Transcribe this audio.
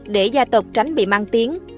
để gia tộc tránh bị mang tiếng